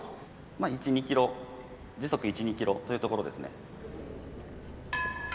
まあ１２キロ時速１２キロというところですね。